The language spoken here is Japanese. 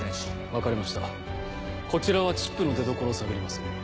分かりましたこちらはチップの出どころを探ります。